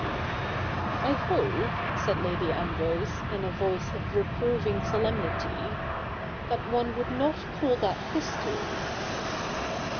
' I hope,' said Lady Ambrose, in a voice of reproving solemnity, 'that one would not call that history.'